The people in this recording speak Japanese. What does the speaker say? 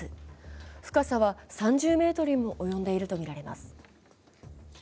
深さは３０ｍにも及んでいるとみられます。